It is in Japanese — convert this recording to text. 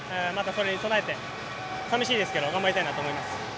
それに備えて寂しいですけど頑張りたいなと思います。